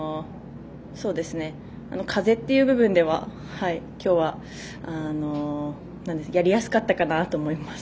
風っていう部分では今日はやりやすかったかなと思います。